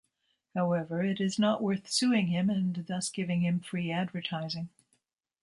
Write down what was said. However, it is not worth suing him and thus giving him free advertising.